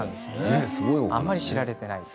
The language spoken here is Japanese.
あまり知られてないです。